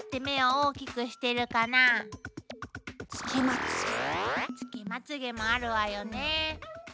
つけまつげもあるわよね。